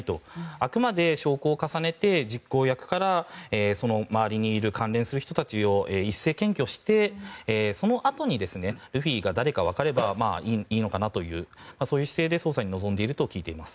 あくまで証拠を重ねて実行役から周りにいる関連する人たちを一斉検挙してそのあとにルフィが誰か分かればいいのかなという姿勢で捜査に臨んでいると聞いています。